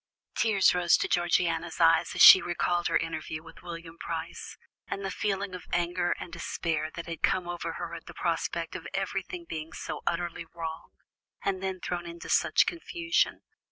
Tears rose to Georgiana's eyes as she recalled her interview with William Price, and the feeling of anger and despair that had come over her at the prospect of everything being so utterly wrong, and then thrown into such confusion.